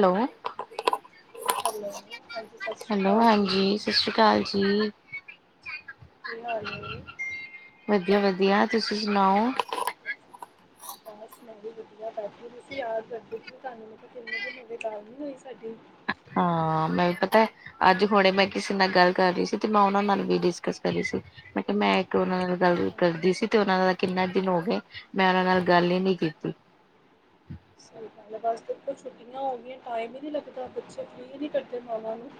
Hello. Hello ਹਾਂਜੀ ਸਤਿ ਸ਼੍ਰੀ ਅਕਾਲ ਜੀ। ਕਾਲ ਜੀ। ਕੀ ਹਾਲ ਏ? ਵਧੀਆ- ਵਧੀਆ ਤੁਸੀਂ ਸੁਣਾਓ? ਬਸ ਮੈ ਵੀ ਵਧੀਆ। ਬੈਠੀ ਹੋਈ ਸੀ ਯਾਦ ਕਰਦੀ ਸੀ ਤੁਹਾਨੂੰ ਮੈ ਕਿਹਾ ਕਿੰਨੇ ਦਿਨ ਹੋਗੇ ਗਲ ਨੀ ਹੋਈ ਸਾਡੀ। ਹਾਂ ਮੈਂ ਵੀ ਪਤਾ ਐ। ਅੱਜ ਹੁਣੇ ਮੈਂ ਕਿਸੇ ਨਾਲ ਗੱਲ ਕਰ ਰਹੀ ਸੀ ਤੇ ਮੈਂ ਓਨਾਂ ਨਾਲ ਵੀ ਡਿਸਕਸ ਕਰ ਰਹੀ ਸੀ। ਮੈਂ ਕੇਹ ਮੈਂ ਇੱਕ ਓਨਾਂ ਨਾਲ ਗੱਲ ਹਾਂ, ਕਰਦੀ ਸੀ ਤੇ ਓਨਾਂ ਨਾਲ ਕਿੰਨੇ ਦਿਨ ਹੋ ਗਏ। ਮੈਂ ਓਨਾਂ ਨਾਲ ਗੱਲ ਈ ਨੀ ਕੀਤੀ। ਸਹੀ ਗਲ ਐ। ਬਸ ਦੇਖੋ ਛੁੱਟੀਆਂ ਹੋ ਗਈਆਂ ਟਾਈਮ ਈ ਨੀ ਲੱਗਦਾ। ਬੱਚੇ ਫਰੀ ਨੀ ਕਰਦੇ ਮਾਵਾਂ ਨੂੰ।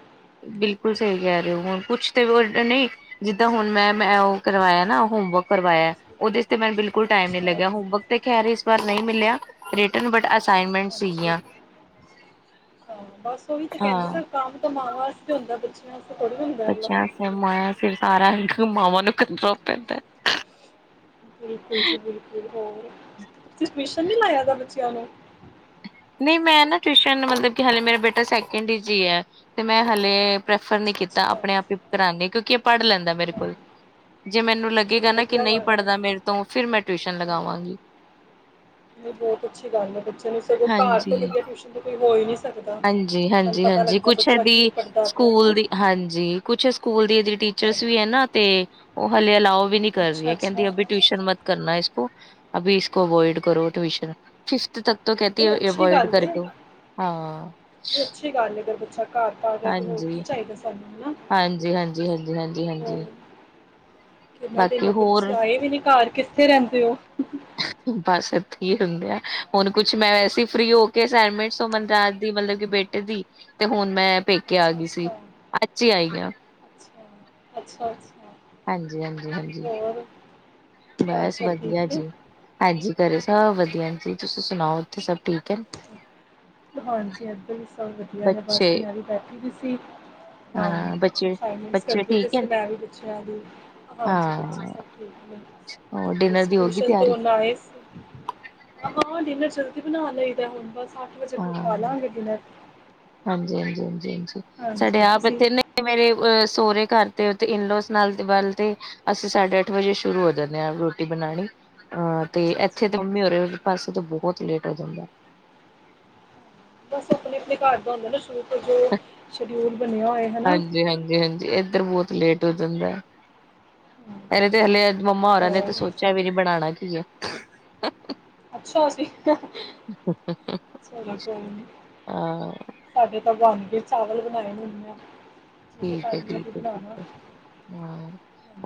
ਬਿਲਕੁਲ ਸਹੀ ਕਹਿ ਰਹੇ ਓ, ਹੁਣ ਕੁਛ ਤੇ ਵਡ ਨਈ। ਜਿੱਦਾਂ ਹੁਣ ਮੈਂ, ਮੈਂ ਓਹ ਕਰਵਾਇਆ ਨਾ ਹੋਮਵਰਕ। ਕਰਵਾਇਆ ਹਾਂਜੀ ਉਹਦੇ ਚ ਤੇ ਮੈਨੂੰ ਬਿਲਕੁਲ ਟਾਈਮ ਨੀ ਅੱਛਾ ਲੱਗਿਆ ਹੋਮਵਰਕ ਤੇ ਖੈਰ ਇਸ ਵਾਰ ਨਈ ਮਿਲਿਆ ਰਿਟਨ ਬਟ ਅਸਾਈਨਮੈਂਟ ਹਾਂਜੀ ਸੀਗੀਆਂ ਹਾਂ ਬਸ ਓਹੀ ਤੇ ਕਹਿੰਦੇ ਹਾਂ ਪ ਕੰਮ ਤਾਂ ਮਾਵਾਂ ਵਾਸਤੇ ਹੁੰਦਾ ਬੱਚੇਆਂ ਵਾਸਤੇ ਥੋੜਾ ਹੁੰਦਾ, ਐ ਵਲਾ। ਮਾਆ ਸਿਰ ਸਾਰਾ ਕਾਮ ਮਾਵਾਂ ਨੂੰ ਕਰਨਾ ਪੈਂਦਾ ਐ। ਬਿਲਕੁਲ ਜੀ ਬਿਲਕੁਲ ਹੋਰ। ਤੁਸੀ ਟਯੂਸ਼ਨ ਨੀ ਲਾਇਆ ਦਾ ਬੱਚਿਆਂ ਨੂੰ। ਨਹੀਂ ਮੈਂ ਨਾ ਟਿਊਸ਼ਨ ਮਤਲਬ ਕਿ ਹਾਲੇ ਮੇਰਾ ਬੇਟਾ ਸੈਕਿੰਡ ਇਚ ਈ ਐ। ਤੇ ਮੈਂ ਹਲੇੇ ਪ੍ਰੈਫਰ ਨੀ ਅੱਛਾ ਕੀਤਾ। ਅੱਛਾ ਅਪਣੇ ਆਪ ਈ ਪੜਾਨੀ ਕਿਉਂਕਿ ਏਹ ਪੜ ਲੈਂਦਾ ਮੇਰੇ ਹਾਂ, ਕੋਲ। ਜੇ ਮੈਨੂੰ ਲੱਗੇਗਾ ਚਲੋ ਨਾ ਕਿ ਵਧੀਆ ਨਈ ਗੱਲ ਹੈ ਪੜਦਾ ਮੇਰੇ ਤੋਂ ਫੇਰ ਮੈਂ ਟਿਊਸ਼ਨ ਲਗਾਵਾਂਗੀ। ਨਹੀ ਬੋਤ ਅੱਛੀ ਗੱਲ ਐ ਬੱਚੇਆਂ ਨੂੰ ਸਗੋਂ ਘਰ ਤੋਂ ਹਾਂਜੀ। ਵਧੀਆ ਟਿਊਸ਼ਨ ਤੋਂ ਕੋਈ ਹੋ ਈ ਨੀ ਸ ਹਾਂਜੀ- ਹਾਂਜੀ, ਹਾਂਜੀ ਕੁਛ ਕੀ ਏਦੀ ਪੜ੍ਹਦਾ ਪਿਆ ਹੈ ਨਾ ਸਕੂਲ ਦੀ ਹਾਂਜੀ ਕੁਛ ਐ ਸਕੂਲ ਦੀ ਏਦੀ ਹਾਂਜੀ, ਟੀਚਰਸ ਵੀ ਐ ਨਾ। ਤੇ ਓ ਹਲੇ ਅਲਾਓ ਵੀ ਨੀ ਕਰ ਅੱਛਾ ਰਹੀਏ। ਅੱਛਾ ਕਹਿੰਦੀ ਅਭੀ ਟਿਊਸ਼ਨ ਮਤ ਕਰਨਾ ਇਸਕੋ। ਅਭੀ ਇਸਕੋ ਅਵੋਇਡ ਕਰੋ ਟਊਸ਼ਨ। ਫਿਫਥ ਤੱਕ ਤੋਂ ਕਹਿਤੀ ਨਹੀਂ ਹੈ ਅਵੋਇਡ ਕਰਦੋ, ਹਾਂ। ਨੀ ਅੱਛੀ ਗਲ ਏ ਅਗਰ ਬਚਾ ਘਰ ਪੜ ਰੇਹਾ ਤੇ ਹੋਰ ਕੀ ਹਾਂਜੀ, ਚਾਹੀਦਾ ਸਾਨੂੰ ਹਨਾ, ਹਾਂਜੀ, ਹਾਂਜੀ, ਹਾਂਜੀ, ਹਾਂਜੀ, ਹੂੰ। ਹਾਂਜੀ ਕਿੰਨੇ ਦਿਨ ਬਾਕੀ ਹੋ ਗਏ ਤੁਸੀ ਹੋਰ ਆਏ ਵੀ ਨੀ ਘਰ ਕਿੱਥੇ ਰਹਿੰਦੇ ਓ? ਬਸ ਏਥੇ ਈ ਰਹੰਦੇ ਆ, ਹੁਣ ਕੁਛ ਮੈਂ ਵੈਸੇ ਫ੍ਰਰੀ ਹੋ ਕੇ ਅਸਾਈਨਮੈਂਟਸ ਮਨ ਰਾਜ ਦੀ ਮਤਲਬ ਕਿ ਬੇੇ ਤਦੀ ਤੇ ਹੁਨ ਮੈਂ ਪੇਕੇ ਆ ਅੱਛਾ ਗੀ ਸੀ। ਅੱਛਾ ਅੱਜ ਈ ਆਈ ਆਂ। ਅੱਛਾ ਅੱਛਾ ਅੱਛ। ਹਾਂਜੀ ਹਾਂਜੀ ਹਾਂਜੀ। ਘਰ ਬਸ ਸਭ ਠੀਕ ਵਧੀਆ ਨੇ ਜੀ। ਹਾਂਜੀ ਘਰੇ ਸਭ ਵਧੀਆ ਨ ਜੀ। ਤੁਸੀ ਸੁਨਾਓ ਓਥੇ ਸਭ ਠੀਕ ਐ? ਹਾਂਜੀ ਏਥੇ ਵੀ ਸਭ ਵਧੀਆ ਨੇ ਬਸ ਬੱਚੇ ਮੈਂ ਵੀ ਬੈਠੀ ਦੀ ਸੀ। ਹਾਂ ਬੱਚੇ ਅਸਾਈਨਮੈਂਟਸ ਬੱਚੇ ਕਰਦੀ ਪਈ ਠੀਕ ਹੈ ਸੀ ਮੈਂ ਵੀ ਬਚਿਆਂ ਦੀ। ਹਾਂਜੀ ਬੱਚੇ ਹਾਂ ਸਬ ਠੀਕ ਨੇ। ਹੋਰ ਡਿਨਰ ਬਸ ਦੀ ਹੋ ਗਈ ਟਿਊਸ਼ਨ ਤੋਂ ਤਿਆਰੀ ਹੁਨ ਆਏ ਸੀ। ਹਾਂ ਡਿਨਰ ਜਲਦੀ ਬਨਾ ਲਈ ਦਾ ਹੁਨ ਬਸ ਅੱਠ ਵਜੇ ਹਾਂ ਕੋਲ ਖਾ ਲਾਂਗੇ ਡਿਨਰ। ਹਾਂਜੀ ਹਾਂਜੀ ਹਾਂਜੀ ਹਾਂਜੀ ਸਾਡੇ ਹਾਂਜੀ ਆਪ ਤੁਸੀਂ ਏਥੇ ਨੇ ਤੇ ਮੇਰੇ ਅ ਸੋਹਰੇ ਘਰ ਤੇ ਓਤੇ ਇਨਲੋਸ ਨਾਲ ਵਲ ਤੇ ਅਸੀਂ ਸਾਢੇ ਅੱਠ ਵਜੇ ਸ਼ੁਰੂ ਹੋ ਜਾਨੇ ਆ ਰੋਟੀ ਬਨਾਣੀ। ਹਾਂ ਤੇ ਇੱਥੇ ਅੱਛਾ-ਅੱਛਾ ਤੇ ਮੰਮੀ ਹੋਰੇ ਪਾਸੇ ਤਾਂ ਬਹੁਤ ਲੇਟ ਹੋ ਜਾਂਦਾ। ਅਪਣੇ ਅਪਨੇ ਘਰ ਦਾ ਹੁੰਦਾ ਨਾ ਸ਼ੂਰੂ ਤੋਂ ਜੋ ਸ਼ਡਿਊਲ ਬਨਿਆ ਹੋਏ। ਹਨਾ। ਹਾਂਜੀ ਹਾਂਜੀ ਹਾਂਜੀ ਇੱਧਰ ਬਹੁਤ ਲੇਟ ਹੋ ਜਾਂਦਾ ਇਹਰੇ ਤੇ ਹਲੇ ਮੰਮਾ ਹੋਰਾਂ ਨੇ ਤਾਂ ਹੋਰ ਸੋਚਿਆ ਵੀ ਨਹੀ ਬਣਾਣਾ ਕੀ ਹੈ। ਅੱਛਾ ਅਸੀਂ ਚਲੋ ਕੋਈ ਨੀ। ਹਾਂ ਸਾਡੇ ਤਾਂ ਬਨ ਗਏ ਚਾਵਲ ਬਨਾਏ ਨੇ ਹੁਨੇ ਆ। ਠੀਕ ਹੈ ਠੀਕ ਹੈ ਠੀਕ ਹੈ ਹਾਂ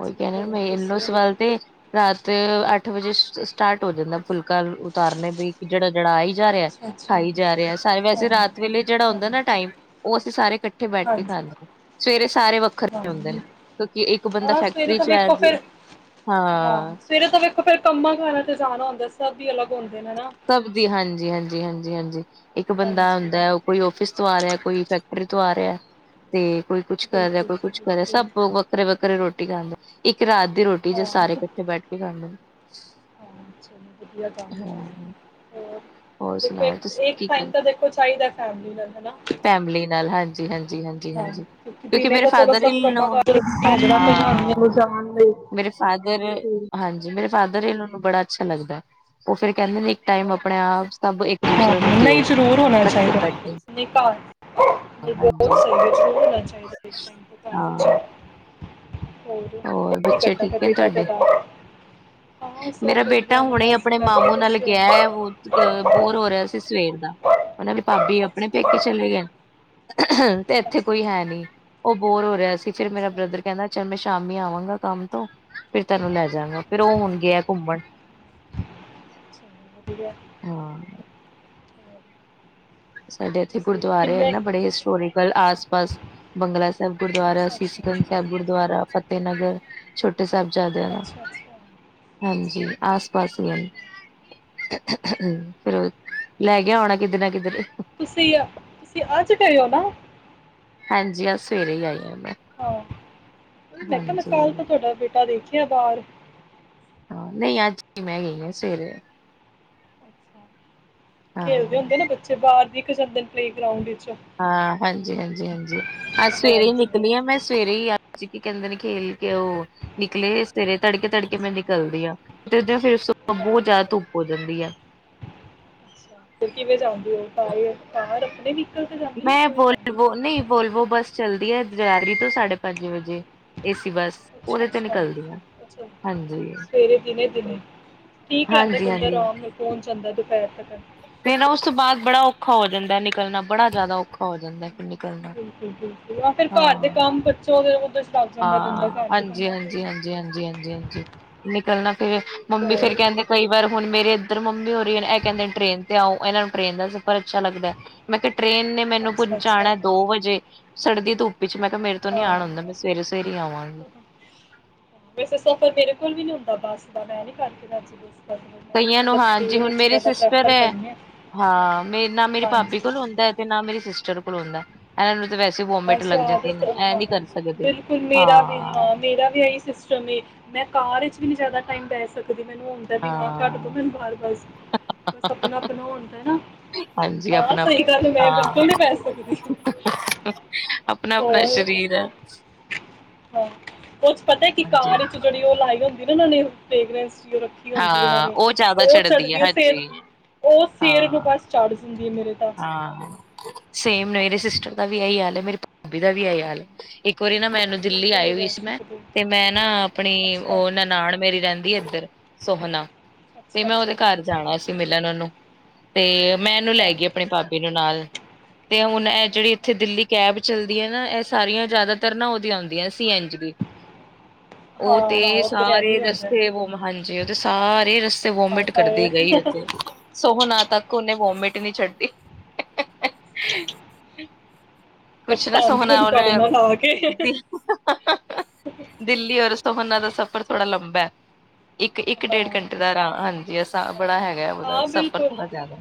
ਉਹੀ ਕਹਿ ਹੋਰ ਰਹੇ ਇਨੋ ਦੱਸੋ ਸਵਾਲ ਤੇ ਰਾਤ ਅੱਠ ਵਜੇ ਸਟਾਰਟ ਹੋ ਜਾਂਦਾ ਫੁਲਕਾ ਉਤਾਰਨਾ ਬਈ ਜਿਹੜਾ ਜਿਹੜਾ ਆਈ ਜਾ ਰਿਹਾ ਅੱਛਾ ਅੱਛਾ ਖਾਈ ਜਾ ਰਿਹਾ ਸਾਰੇ ਹਾਂ ਵੈਸੇ ਰਾਤ ਵੇਲੇ ਜਿਹੜਾ ਹਾਂ ਹੁੰਦਾ ਨਾ ਟਾਈਮ ਉਹ ਅਸੀਂ ਸਾਰੇ ਇਕੱਠੇ ਬੈਠ ਕੇ ਹਾਂਜੀ ਖਾਂਦੇ ਸਵੇਰੇ ਸਾਰੇ ਹਾਂ ਵੱਖਰੇ ਹੁੰਦੇ ਨੇ ਕਿਉਂਕਿ ਇੱਕ ਬੰਦਾ ਆਹ ਸਵੇਰੇ ਫੈਕਟਰੀ ਤਾਂ ਚ ਹੈ ਵੇਖੋ ਫਿਰ ਹਾਂ ਸਵੇਰੇ ਤਾਂ ਵੇਖੋ ਫੇਰ ਕੰਮਾਂ ਕਾਰਾਂ ਤੇ ਜਾਨਾ ਹੁੰਦਾ ਸਭ ਹੀ ਅਲੱਗ ਹੁੰਦੇ ਨੇ ਨਾ। ਸਭ ਦੀ ਹਾਂਜੀ ਹਾਂਜੀ ਹਾਂਜੀ ਹਾਂਜੀ ਇੱਕ ਬੰਦਾ ਹਾਂਜੀ ਆਂਦਾ ਕੋਈ ਆਫਿਸ ਤੋਂ ਆ ਰਿਹਾ ਕੋਈ ਫੈਕਟਰੀ ਤੋਂ ਆ ਰਿਹਾ ਤੇ ਕੋਈ ਕੁਛ ਕਰ ਰਿਹਾ ਬਿਲਕੁਲ ਕੋਈ ਜੀ ਕੁਛ ਕਰ ਰਿਹਾ ਬਿਲਕੁਲ ਸਭ ਵੱਖਰੇ ਵੱਖਰੇ ਰੋਟੀ ਖਾਂਦੇ ਇੱਕ ਰਾਤ ਦੀ ਰੋਟ- ਜੇ ਹਾਂ ਸਾਰੇ ਹਾਂ ਇਕੱਠੇ ਬੈਠ ਕੇ ਖਾਦੇ ਚਲੋ ਵਧੀਆ ਕੰਮ ਹੈ ਹਾਂ। ਹੋਰ ਦੇਖੋ ਸੁਣਾਓ ਤੁਸੀਂ ਇਕ ਕੀ ਟਾਈਮ ਕਰ ਤਾਂ ਦੇਖੋ ਚਾਹੀਦਾ ਫੈਮਲੀ ਨਾਲ ਹਨਾ। ਫੈਮਲੀ ਨਾਲ ਹਾਂਜੀ ਹਾਂਜੀ ਹਾਂਜ। ਹਾਂਜੀ ਹਾਂ ਹਾਂਜੀ ਕਿਉਂਕਿ ਦਿਨੇ ਮੇਰੇ ਤਾਂ ਚਲੋ ਫਾਦਰ ਸਭ ਇਨ ਲੋ ਹਾਂ। ਚਣ ਲਈ [unintelligible] [unintelligible] ਮੇਰੇ ਫਾਦਰ ਤੇ ਹਾਂਜੀ ਮੇਰੇ ਫਾਦਰ ਇਨ ਲੋ ਨੂੰ ਬੜਾ ਅੱਛਾ ਲੱਗਦਾ। ਉਹ ਫੇਰ ਕਹਿੰਦੇ ਨੇ ਇੱਕ ਟਾਈਮ ਅਪਣੇ ਆਪ ਸਭ ਏਕ ਹਾਂ ਦੂਸਰੇ ਨੂੰ ਦੇਓ। ਨਹੀਂ ਜ਼ਰੂਰ ਹੋਨਾ ਚਾਹੀਦਾ ਨੀ ਘਰ ਨਹੀਂ ਹਾਂਜੀ ਬਹੁਤ ਸਹੀ ਹੈ ਜ਼ਰੂਰ ਹੋਣਾ ਚਾਹੀਦਾ ਇੱਕ ਟਾਈਮ ਤਾਂ ਘਰ ਵਿੱਚ ਹਾਂ ਹੋਰ ਕੀ ਬੱਚੇ ਕਰਦਾ ਫੇਰ ਠੀਕ ਹੈ ਬੇਟਾ ਤੁਹਾਡੇ ਤੁਹਾਡਾ ਹਾਂ ਸਭ ਵਧੀਆ ਨੇ ਬਸ ਬੈਠੇ ਦੇ ਸੀ। ਤੇ ਹੁਣ ਇਹ ਬੋਤ ਬੋਰ ਹੋ ਰਿਹਾ ਸੀ ਸਵੇਰ ਦਾ ਮਤਲ ਭਾਬੀ ਆਪਣੇ ਅੱਛਾ ਪੇਕੇ ਚਲੇ ਗਏ ਤੇ ਏਥੇ ਅੱਛਾ ਅੱਛਾ ਕੋਈ ਹੈ ਨੀ। ਉਹ ਬੋਰ ਹੋ ਰਿਹਾ ਸੀ ਫਿਰ ਮੇਰਾ ਅੱਛਾ ਬ੍ਰਦਰ ਕਹਿੰਦਾ ਚਲ ਮੈ ਸ਼ਾਮੀ ਆਵਾਂਗਾ ਕੰਮ ਤੋਂ ਫੇਰ ਤੈਨੂੰ ਲੈ ਜਾਗਾ ਫੇਰ ਉਹ ਹੁਨ ਗਿਆ ਘੁੰਮਨ। ਅਛਾ ਵਦੀਆ [unintelligible] ਹਾਂ ਸਾਡੇ ਇੱਥੇ ਤੁਸੀਂ ਗੁਰਦੁਆਰੇ ਹੇਨ ਕਿੰਨੇ ਨਾ ਬੜੇ ਹਿਸਟੋਰੀਕਲ ਆਸ ਪਾਸ ਬੰਗਲਾ ਸਾਹਿਬ ਗੁਰਦੁਆਰਾ ਅੱਛਾ ਸੀਸ ਅੱਛਾ ਗੰਜ ਸਾਹਿਬ ਗੁਰਦੁਆਰਾ ਫਤਿਹ ਨਗਰ ਛੋ ਸਾਹਿਬ ਜਾਦਿਆਂ ਦਾ ਅੱਛਾ ਅੱਛਾ ਹਾਂਜੀ ਅੱਛਾ ਆਸ ਪਾਸ ਹੀ ਹਨ ਫਿਰ ਉਹ ਲੈ ਗਿਆ ਹੋਣਾ ਕਿੱਧਰੇ ਨਾ ਕਿੱਧਰੇ ਤੁਸੀਂ ਤੁਸੀਂ ਅੱਜ ਗਏ ਹੋ ਨਾ ਹਾਂਜੀ ਅਜ ਸਵੇਰੇ ਹੀ ਆਈ ਹਾ ਮੈਂ ਹਾਂ ਉਹੀ ਮੈਂ ਕੇਹਾ ਮੈ ਕਲ ਹਾਂਜੀ ਤਾਂ ਤੁਹਾਡਾ ਬੇਟਾ ਦੇਖਿਆ ਬਾਰ ਹਾਂ ਨਹੀਂ ਅੱਜ ਮੈਂ ਗਈ ਹਾਂ ਸਵੇਰੇ ਹਾਂ ਖੇਲਦੇ ਹੁੰਦੇ ਨਾ ਬੱਚੇ ਬਾਰ ਵਿਖ ਜਾਂਦੇ ਪਲੇਗ੍ਰਾਉਂਡ ਵਿੱਚ ਹਾਂ ਹਾਂਜੀ ਹਾਂਜੀ ਹਾਂਜੀ ਅਜ ਸਵੇਰੇ ਹੀ ਹਾਂਜੀ ਨਿਕਲੀ ਹ ਮੈਂ ਹਾਂਜੀ ਸਵੇਰੇ ਹੀ ਆਜ ਕੀ ਕੈਂਦੇ ਨੇ ਕੇ ਉਹ ਨਿਕਲੇ ਸਵੇਰੇ ਤੜਕੇ ਤੜਕੇ ਮੈਂ ਅੱਛਾ ਨਿਕਲਦੀ ਆਾਂ ਫੇਰ ਤੋਂ ਹਾਂ ਬੋਤ ਜ਼ਿਆਦਾ ਧੁੱਪ ਹੋ ਜਾਂਦੀ ਆ ਅੱਛਾ ਕਿਵੇਂ ਜਾਂਦੇ ਹੋ ਤਾਂ ਕਾਰ ਅਪਣੀ ਨੀ ਮੈਂ ਬੋਲ ਨਹੀਂ [unintelligible] ਵੋਲਵੋ ਬੱਸ ਚੱਲਦੀ ਹੈ ਜਗਾਧਰੀ ਤੋਂ ਸਾਢੇ ਪੰਜ ਵਜੇ ਏਸੀ ਬੱਸ ਅੱਛਾ ਉਹਦੇ ਤੇ ਅੱਛਾ ਨਿਕਲਦੀ ਆ ਅੱਛਾ ਹਾਂਜੀ ਸਵੇਰੇ ਦਿਨੇ ਦਿਨੇ ਠੀਕ ਰੈਂਦਾ ਹਾਂਜੀ ਬੰਦਾ ਹਾਂਜੀ ਆਰਾਮ ਨਾਲ ਪੋਂਚ ਜਾਂਦਾ ਦੁਪੈਰ ਤੱਕ ਮੇਰਾ ਉਸ ਤੋਂ ਬਾਦ ਬੜਾ ਔਖਾ ਹੋ ਜਾਂਦਾ ਨਿਕਲਣਾ ਬੜਾ ਜਾਦਾ ਔਖਾ ਹੋ ਜਾਂਦਾ ਫਿਰ ਨਿਕਲਣਾ ਯਾ ਫਿਰ ਘਰ ਦੇ ਹਾਂ ਕੰਮ ਬੱਚੇ ਸੋ ਉਦੇ ਚ ਲੱਗ ਜਾਂਦਾ ਬੰਦਾ ਹਾਂ, ਘਰ ਤੇ ਹਾਂਜੀ, ਕੰਮਾਂ ਹਾਂਜੀ, ਤੋਹੀ ਹਾਂਜੀ, ਹਾਂਜੀ, ਹਾਂਜੀ, ਹਾਂਜੀ। ਨਿਕਲਣਾ ਫੇਿਰ ਮੰਮੀ ਫੇਰ ਕੈਂਦੇ ਕਈ ਵਾਰ ਹੁਣ ਮੇਰੇ ਇੱਧਰ ਮੰਮੀ ਓ ਰੀ ਨ ਇਹ ਕੈਂਦੇ ਟ੍ਰਰੇਨ ਤੇ ਆਓ ਇਹਨਾਂ ਨੂੰ ਟ੍ਰੇਨ ਦਾ ਸਫ਼ਰ ਅੱਛਾ ਲੱਗਦਾ ਹੈ ਮੈਂ ਕੇਹਾ ਟ੍ਰਰੇਨ ਨੇ ਮੈਨੂੰ ਅੱਛਾ ਅੱਛਾ ਪੁੰਚਾਣਾ ਦੋ ਵਜੇ ਸੜਦੀ ਧੁੱਪ ਚ ਮੈਂ ਕਿਹਾ ਮੇਰੇ ਤੋਂ ਨੀ ਆਣ ਹੁੰਦਾ ਹਾਂ ਬਸ ਸਵੇਰੇ ਸਵੇਰੇ ਹੀ ਆਵਾਂਗੀ ਹਾਂ, ਵੈਸੇ ਸਫ਼ਰ ਮੇਰੇ ਕੋਲ ਵੀ ਨੀ ਹੁੰਦਾ ਬੱਸ ਦਾ ਮੈਂ ਨੀ ਕਰਕੇ ਰਾੱਜੀ ਬੱਸ ਵੈਸੇ ਤੇ ਮੈਂ ਵੀ ਕਈਆਂ ਨੂੰ ਮਤਲਬ ਹਾਂਜੀ ਟੈ੍ਨ ਹੁਣ ਵਿੱਚ ਮੇਰੀ ਜਿਆਦਾ ਸਿਸਟਰ ਪ੍ਰੈਫਰ ਹੈ। ਕਰਨੀ ਆ ਹਾਂ ਮੇ ਨਾ ਮੇਰੀ ਭਾਬੀ ਹਾਂਜੀ ਕੋਲ ਹੋਂਦਾ ਤੇ ਨਾ ਮੇਰੀ ਸਿਸਟਰ ਕੋਲ ਹੋਂਦਾ ਬਸ ਆਦਤ ਹੈ ਹਾਂ ਨੀ ਕਰ ਸਕਦੇ ਬਿਲਕੁਲ ਮੇਰਾ ਵੀ ਹਾਂ ਮੇਰਾ ਵੀ ਇਹੀ ਸਿਸਟਮ ਹੈ ਮੈਂ ਕਾਰ ਵਿਚ ਵੀ ਨ ਜਾਦਾ ਟੈਮ ਬੈ ਸਕਦੀ ਮੈਨੂੰ ਹੁੰਦਾ ਹਾਂ ਕਢ ਦੋ ਮੈਨੂੰ ਬਾਰ ਬਸ ਬਸ ਆਪਣਾ ਆਪਣਾ ਓ ਹੁੰਦਾ ਹੈਣਾ ਹਾਂਜੀ ਹਾਂ ਆਪਣਾ ਸਹੀ ਗੱਲ ਮੈਂ ਬਿਲਕੁਲ ਨੀ ਬੈ ਸਕਦੀ ਹ [inaudible] ਆਪਣਾ -ਆਪਣਾ ਹੋਰ ਸਰੀਰ ਹੈ ਹਾਂਜੀ ਜੇੜੀ ਉਹ ਲਾਈ ਹੁੰਦੀ ਨਾ ਉਹਨਾਂ ਨੇ ਫੇਗਰਸ ਲਾਈ ਹੁੰਦੀ ਓਹਨਾਂ ਹਾਂ ਨੇ ਜ਼ਿਆਦਾ ਉਹ ਹੈ ਚੜ੍ਹਦੀ ਉਹ ਹਾਂਜੀ ਸਿਰ ਉਹ ਹਾਂ ਸਿਰ ਨੂੰ ਬਸ ਚੜ੍ਹਦੀ ਹੈ ਮੇਰੇ ਤਾਂ ਹਾਂ ਸੇਮ ਮੇਰੇ ਸਿਸਟਰ ਦਾ ਵੀ ਆਹੀ ਹਾਲ ਹੈ ਮੇਰੀ ਭਾਬੀ ਦਾ ਵੀ ਆਈ ਹਾਲ ਹਾਂ ਹੈ ਇੱਕ ਵਾਰੀ ਨਾ ਮੈਂ ਮੈ ਦਿੱਲੀ ਬਿਲਕੁਲ ਆਈ ਨਹੀਂ ਹੋਈ ਬਹਿ ਸੀ ਮੈਂ ਸਕਦੇ ਤੇ ਮੈਂ ਨਾ ਆਪਣੀ ਅੱਛਾ ਉਹ ਨਨਾਣ ਮੇਰੀ ਰੈਂਦੀ ਇੱਧਰ ਸੋਹਨਾ ਤੇ ਅੱਛਾ ਮੈਂ ਉਹਦੇ ਅੱਛਾ ਘਰ ਜਾਣਾ ਸੀ ਅੱਛਾ ਮਿਲਣ ਉਹਨੂੰ ਤੇ ਮੈਂ ਇਹਨੂੰ ਅੱਛਾ ਲੈ ਅੱਛਾ ਗਈ ਆਪਣੀ ਭਾਬੀ ਨੂੰ ਨਾਲ ਤੇ ਹੁਣ ਇਹ ਜੇੜੀ ਇੱਥੇ ਦਿੱਲੀ ਕੈਬ ਚੱਲਦੀ ਹੈ ਨਾ ਇਹ ਸਾਰੀਆਂ ਜ਼ਿਆਦਾਤਰ ਨਾ ਉਹਦੀਆਂ ਹੁੰਦੀਆਂ ਸੀ ਐਨ ਜੀ [inaudible] ਉਹ ਤੇ ਹਾਂ ਉੱਧਰ ਐਵੇਂ ਸਾਰੇ ਹੀ ਹੁੰਦਾ ਹੈ। ਰਸਤੇ ਵ ਹਾਂਜੀ ਉਹ ਤੇ ਸਾਰੇ ਰਸਤੇ ਹਾਏ ਵੋਮਿਟ ਕਰਦੀ ਹਾਏ ਗਈ ਉਥੇ ਸੋਹਨਾ ਤੱਕ ਉਹਨੇ ਵੋਮਿਟ ਨਹੀਂ ਛੱਡ [inaudible] ਕੁਛ ਨਾ ਪਛਤਾਉਂਦੀ ਸੋਹਣਾ ਹੋਣੀ ਔਰ ਤੁਹਾਡੇ ਨਾਲ ਆ ਕੇ ਦਿੱਲੀ ਔਰ ਸੋਹਨਾ ਦਾ ਸਫ਼ਰ ਥੋੜਾ ਲੰਬਾ ਹੈ ਇੱਕ ਇੱਕ ਡੇਢ ਘੰਟੇ ਹਾਂ ਦਾ ਰਾਹ ਆਰਾਮ ਹਾਂਜੀ ਹਾਂ, ਬੜਾ ਹੈਗਾ ਉਹਦਾ ਹਾਂ ਸਫ਼ਰ ਬਿਲਕੁਲ, ਥੋੜਾ ਜ਼ਿਆਦਾ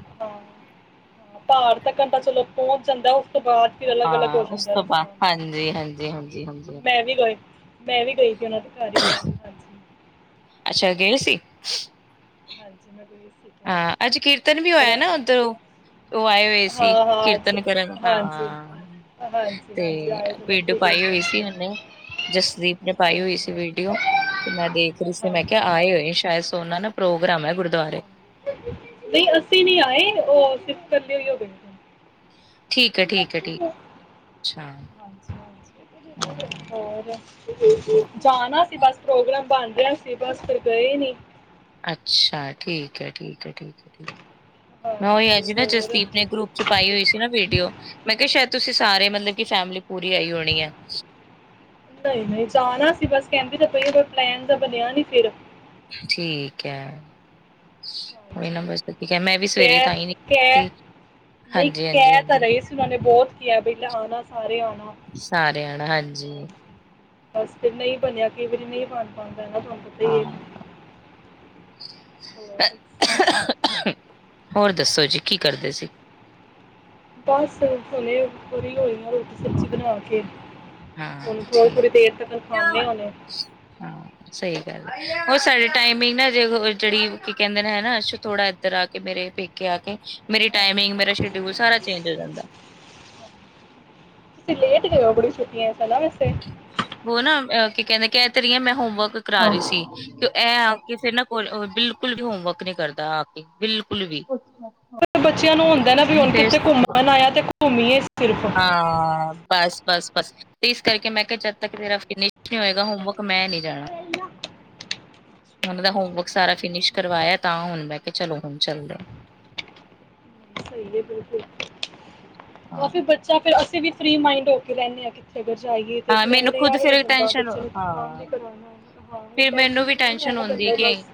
ਭਾਰ ਦਾ ਘੰਟਾ ਚਲੋ ਪਹੁੰਚ ਜਾਂਦਾ ਉਸ ਤੋਂ ਬਾਅਦ ਫਿਰ ਅਲੱਗ-ਅਲੱਗ ਹੋ ਹਾਂ ਉਸ ਜਾਂਦਾ ਏ ਤੋਂ ਬਾਅਦ ਰਸਤਾ ਹਾਂਜੀ ਹਾਂਜੀ ਹਾਂਜੀ ਹਾਂਜੀ ਹਾਂਜੀ ਮੈਂ ਵੀ ਗਏ ਮੈਂ ਵੀ ਗਈ ਸੀ ਉਹਨਾਂ ਦੇ ਘਰ ਵਾਰੀ ਹਾਂਜੀ, ਅੱਛਾ ਗਏ ਸੀ ਹਾਂਜੀ ਮੈਂ ਗਈ ਇੱਕ ਵਾਰੀ। ਹਾਂ ਅੱਜ ਕੀਰਤਨ ਵੀ ਹੋਇਆ ਥੋੜਾ ਨਾ ਉੱਧਰੋਂ ਉਹ ਆਏ ਹੋਏ ਸੀ ਹਾਂ-ਹਾਂ ਅੱਛਾ ਕੀਰਤਨ ਕਰਨ, ਹਾਂਜੀ। ਹਾਂ ਤੇ ਹਾਂਜੀ-ਹਾਂਜੀ ਆਏ ਦਿਨ ਵੀਡੋ ਉੱਥੇ ਗਏ ਪਾਈ ਹੋਈ ਸੀ ਉਹਨੇ ਜਸਦੀਪ ਨੇ ਪਾਈ ਹੋਈ ਸੀ ਹਾਂਜੀ-ਹਾਂਜੀ। ਵੀਡੀਓ ਤੇ ਮੈਂ ਦੇਖ ਰਹੀ ਸੀ ਮੈਂ ਹਾਂਜੀ, ਹਾਂਜੀ ਕਿਆ ਆਏ ਹੋਏ ਸ਼ਾਇਦ ਸੋਨਾ ਨਾ ਪ੍ਰੋਗਰਾਮ ਐ ਗੁਰਦੁਆਰੇ ਨਈਂ ਅਸੀਂ ਵੀ ਆਏ, ਉਹ ਸਿਰਫ ਕੱਲਿਈਓ ਠੀਕ ਐ, ਠੀਕ ਐ ਠੀਕ। ਅੱਛਾ ਹਾਂਜੀ, ਹਾਂ ਹਾਂਜੀ ਹੋਰ ਵਧੀਆ। ਜਾਣਾ ਸੀ ਬਸ ਪ੍ਰੋਗਰਾਮ ਬਣ ਰਿਹਾ ਸੀ ਬਸ ਫਿਰ ਗਏ ਨੀ ਅੱਛਾ ਠੀਕ ਐ, ਠੀਕ ਐ, ਠੀਕ ਐ ਠੀਕ ਮੈਂ ਉਹੀ ਹਾਂਜੀ ਅੱਜ ਨਾ ਹੋਰ ਜਸਦੀਪ ਨੇ ਗਰੁੱਪ ਚ ਪਾਈ ਹੋਈ ਸੀ ਨਾ ਵੀਡੀਓ ਮੈਂ ਕਿਆ ਸ਼ਾਇਦ ਤੁਸੀਂ ਸਾਰੇ ਮਤਲਬ ਕਿ ਫੈਮਿਲੀ ਪੂਰੀ ਆਈ ਹੋਣੀ ਐ। ਨਈਂ ਨਈਂ ਜਾਣਾ ਸੀ ਬਸ ਕਹਿੰਦੀ ਤਾਂ ਪਈ ਪਲੈਨ ਤਾਂ ਬਣਿਆ ਨੀ ਫਿਰ ਠੀਕ ਐ ਉਹੀ ਨਾ ਹਾਂਜੀ ਬਸ [unintelligible] ਮੈਂ ਵੀ ਸਵੇਰੇ ਤਾਂ ਈ ਨੀ ਨਈਂ ਕਹਿ ਤਾਂ ਰਏ ਸੀ ਉਹਨਾਂ ਨੇ ਬੋਤ ਕਿਆ ਬਈ ਆਣਾ, ਸਾਰੇ ਆਣਾ। ਸਾਰੇ ਆਂਣਾ ਹਾਂਜੀ। ਬਸ ਫਿਰ ਨਈਂ ਬਣਿਆ ਕਈ ਵਾਰੀ ਨਈਂ ਬਣ ਪਾਂਦਾ ਨਾ [unintelligible] ਹਾਂ ਹੋਰ ਹੋਰ ਦੱਸੋ ਜੀ, ਕੀ ਕਰਦੇ ਸੀ। ਬਸ ਹੁਣੇ ਫਰੀ ਹੋਈ ਆਂ ਰੋਟੀ ਸਬਜ਼ੀ ਬਣਾ ਕੇ। ਹਾਂ ਹੁਣ ਠੀਕ। ਥੋੜੀ-ਥੋੜ੍ਹੀ ਦੇਰ ਤੱਕਨ ਖਵਾਨੇ ਹੁਨੇ। ਹਾਂ ਸਹੀ ਗੱਲ ਐ, ਉਹ ਸਾਡੇ ਟਾਈਮਿੰਗ ਨਾ ਜੇ ਜਿਹੜੀ ਕੀ ਕਹਿੰਦੇ ਨੇ ਹੈ ਨਾ ਥੋੜਾ ਇੱਧਰ ਆ ਕੇ ਮੇਰੇੇ ਪੇਕੇ ਆ ਕੇ ਮੇਰੀ ਟਾਈਮਿੰਗ, ਮੇਰਾ ਸ਼ਡਇਊਲ ਸਾਰਾ ਚੇਂਜ ਹੋ ਜਾਂਦਾ। ਤੁਸੀਂ ਲੇਟ ਗਏ ਔ ਕੁੜੀ ਛੁੱਟੀਆਂਸ ਨਾ ਵੈਸੇ। ਬੋ ਨਾ ਕੀ ਕਹਿੰਦੇ ਕਹਿ ਤੇਰੀ ਆ ਮੈਂ ਹੋਮਵਰਕ ਕਰਾ ਹਾਂ ਰਈ ਸੀ ਕਿ ਐ ਫੇਰ ਨਾ ਕੋਲ ਆ ਬਿਲਕੁਲ ਵੀ ਹੋਮਵਰਕ ਨਈਂ ਕਰਦਾ। ਬਿਲਕੁਲ ਵੀ। ਬੱਚਿਆਂ ਨੂੰ ਹੁੰਦਾ ਨਾ ਵੀ ਹੁਣ ਫਿਰ ਕਿੱਥੇ ਘੁੰਮਣ ਆਇਆ ਤੇ ਘੁੰਮੀਏ ਸਿਰਫ ਹਾਂ, ਬਸ ਬਸ ਬਸ। ਤੇ ਇਸ ਕਰਕੇ ਮੈਂ ਕਿਆ ਜਦ ਤੱਕ ਮੇਰਾ ਫਿਨਿਸ਼ ਨਈ ਹੋਏਗਾ ਹੋਮਵਰਕ ਮੈਂ ਨੀਂ। ਜਾਣਾ। ਉਹਨਾਂ ਦਾ ਹੋਮਵਰਕ ਸਾਰਾ ਫਿਨਿਸ਼ ਕਰਵਾਇਆ ਤਾਂ ਹੁਣ ਮਹਿ ਕੇ ਚਲੋ ਹੁਣ ਚੱਲਦੇ। ਸਹੀ ਐ ਬਿਲਕੁਲ ਹਾਂ ਕਾਫੀ ਬੱਚਾ ਫਿਰ ਅਸੀਂ ਵੀ ਫਰੀ ਮਾਈੰਡ ਹੋ ਕੇ ਰਹਿਣੇ ਆਂ ਕਿ ਉਥੇ ਅਗਰ ਜਾਈਏ ਤੇ ਹਾਂ ਫਿਰ ਐਵੇਂ ਮੈਨੂੰ ਰਿਆ ਖੁਦ ਵੀ ਨੀਂ ਫਿਰ ਜਾਂਦਾ ਟੈਨਸ਼ਨ ਬੱਚਿਆਂ ਨੂੰ ਹਾਂ ਕੰਮ ਵੀ ਕਰਵਾਉਣਾ ਹਾਂ। ਹੁਣ ਫਿਰ ਮੈਨੂੰ ਵੀ ਫ੍ਰੀ ਤਾਂ ਹੈ ਟੈਨਸ਼ਨ ਨਾ ਹੁੰਦੀ ਬੰਦਾ ਕਿ ਬਸ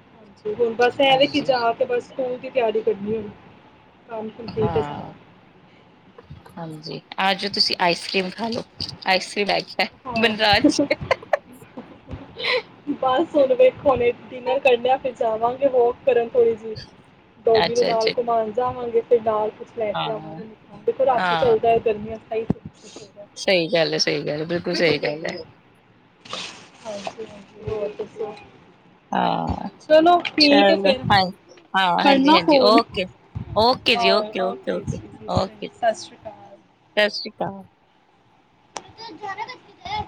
ਹਾਂਜੀ ਹੁਣ ਬਸ ਐ ਵੇ ਕਿ ਹਾਂਜੀ ਜਾ ਕੇ ਬਸ ਸਕੂਲ ਦੀ ਤਿਆਰੀ ਕਰਨੀ ਐ, ਕੰਮ ਕੰਪਲੀਟ ਐ ਹਾਂ ਸਾਰਾ। ਹਾਂਜੀ ਆ ਜੋ ਤੁਸੀਂ ਆਈਸ ਕਰ੍ਰੀਮ ਖਾ ਲਓ, ਆਈਸ ਕਰੀਮ [unintelligible] ਹਾਂ ਬਨਰਾਜ। ਬਸ ਹੁਣ ਵੇਖੋ ਹੁਣੇ ਡਿਨਰ ਕਰਨਾ ਫਿਰ ਜਾਵਾਂਗੇ ਹੋ ਕਰਨ ਥੋੜੀ ਜੀ ਡੋਗੀ ਨੂੰ ਅੱਛਾ ਨਾਲ ਅੱਛਾ ਘੁੰਮਾਣ ਜਾਵਾਂਗੇ ਫਿਰ ਨਾਲ ਲੈ ਕੇ ਹਾਂ ਆਵਾਂਗੇ ਦੇਖੋ ਰਾਤੀ ਹਾਂ ਚੱਲਦਾ ਹੈ ਗਰਮੀਆਂ ਚ ਸਹੀ ਸਹੀ ਗੱਲ ਹੈ, ਸਹੀ ਗੱਲ ਹੈ, ਬਿਲਕੁਲ ਸਹੀ ਗੱਲ ਹੈ। ਹਾਂਜੀ-ਹਾਂਜੀ, ਹੋਰ ਦੱਸੋ? ਹਾਂ, ਚਲੋ ਠੀਕ ਹੈ ਚਲੋ ਫਿਰ ਹਾਂ-ਹਾਂ, ਕਰਨਾ ਹਾਂਜੀ-ਹਾਂਜੀ, ਫੋਨ ਓਕੇ। ਓਕੇ ਜੀ, ਓਕੇ ਜੀ ਓਕੇ-ਓਕੇ-ਓਕੇ-ਓਕੇ ਜੀ, ਸਤਿ ਸ਼੍ਰੀ ਅਕਾਲ ਸਤਿ ਸ਼੍ਰੀ ਅਕਾਲ। ਚਲ ਜਾਨੇ ਦੇ ਮੁਝੇ।